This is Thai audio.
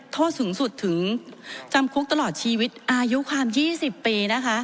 โทษสูงสุดถึงจำคุกตลอดชีวิตอายุความ๒๐ปีนะคะ